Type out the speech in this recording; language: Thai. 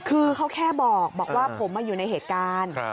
คือเขาแค่บอกว่าผมมาอยู่ในเหตุการณ์